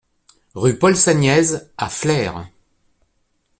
Rue Paul Saniez à Flers